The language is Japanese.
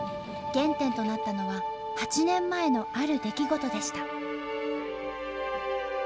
原点となったのは８年前のある出来事でした。